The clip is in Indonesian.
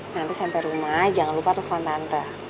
nanti sampai rumah jangan lupa telepon tante